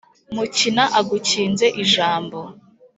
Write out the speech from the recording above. mukina agukinze ijambo